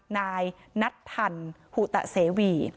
นายนัทธันหุตะเสวี